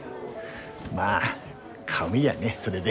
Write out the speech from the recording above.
まあ顔見りゃねそれで。